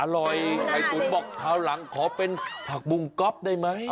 ไข่ตุ๋นบอกคราวหลังขอเป็นผักบุงก๊อฟได้ไหม